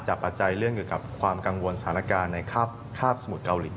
จากปัจจัยเรื่องกับความกังวลสถานการณ์ในข้าบสมุดเกาหลี